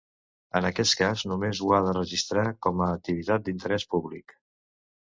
En aquest cas només ho ha de registrar com a activitat d'interés públic.